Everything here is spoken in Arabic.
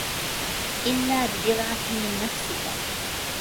إلَّا بِبِضْعَةٍ مِنْ نَفْسِك